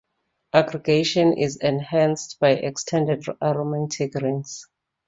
Aggregation is enhanced by extended aromatic rings.